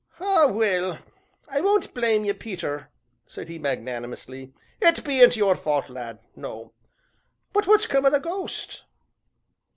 "Ah, well! I won't blame ye, Peter," said he magnanunously, "it bean't your fault, lad, no but what's come to the ghost!"